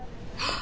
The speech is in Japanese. あ！